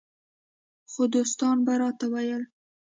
خو دوستانو به راته ویل